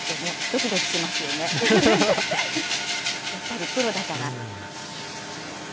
やっぱりプロだから。